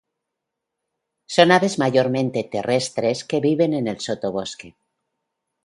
Son aves mayormente terrestres, que viven en el sotobosque.